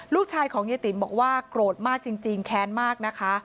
ลูกชายของยายติ๋มบอกว่าโกรธมากจริงแค้นมากนะคะ